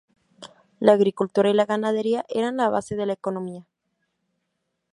La agricultura y la ganadería eran la base de la economía.